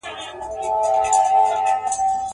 موده مخکي چي دي مړ سپین ږیری پلار دئ.